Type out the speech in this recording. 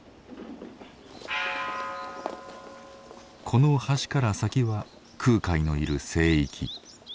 この橋から先は空海のいる聖域。